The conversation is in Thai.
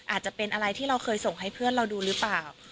อาจจะเป็นอะไรที่เราเคยส่งให้เพื่อนเราดูหรือเปล่า